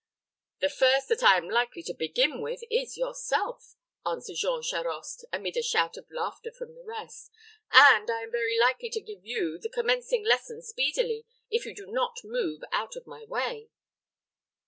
"The first that I am likely to begin with is yourself," answered Jean Charost, amid a shout of laughter from the rest; "and I am very likely to give you the commencing lesson speedily, if you do not move out of my way."